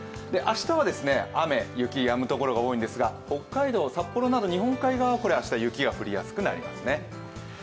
明日は雨、雪やむところが多いんですが北海道、札幌や日本海側は明日雪が降りやすくなりますね。